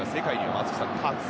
松木さん。